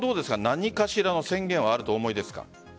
何かしらの宣言はあるとお思いですか？